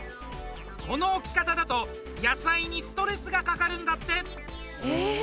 この置き方だと野菜にストレスがかかるんだって。